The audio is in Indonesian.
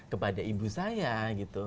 kepada ibu saya gitu